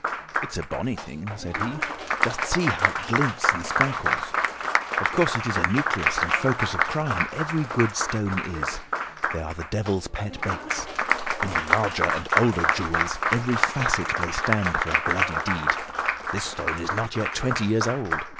"It's a bonny thing," said he. "Just see how it glints and sparkles. Of course it is a nucleus and focus of crime. Every good stone is. They are the devil's pet baits. In the larger and older jewels every facet may stand for a bloody deed. This stone is not yet twenty years old.